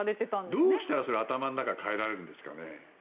どうしたら頭の中を変えられるんですかね。